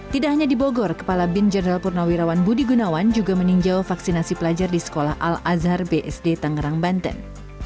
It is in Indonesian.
tidak hanya di bogor kepala bin jenderal purnawirawan budi gunawan juga meninjau vaksinasi pelajar di sekolah al azhar bsd tangerang banten